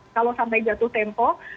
kalau sampai jatuh tempo